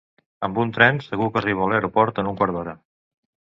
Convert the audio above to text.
Amb un tren segur que arribo a l'aeroport en un quart d'hora.